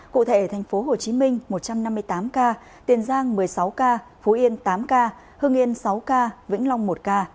cụ thể thành phố hồ chí minh một trăm năm mươi tám ca tiền giang một mươi sáu ca phú yên tám ca hưng yên sáu ca vĩnh long một ca